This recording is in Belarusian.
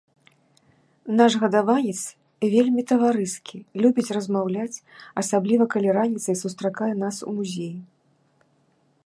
Наш гадаванец вельмі таварыскі, любіць размаўляць, асабліва калі раніцай сустракае нас у музеі.